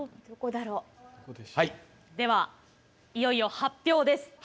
どこだろう？ではいよいよ発表です。